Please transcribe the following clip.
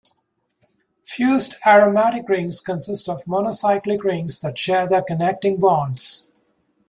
Fused aromatic rings consist of monocyclic rings that share their connecting bonds.